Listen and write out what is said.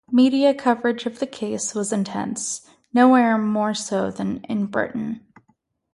Media coverage of the case was intense, nowhere more so than in Britain.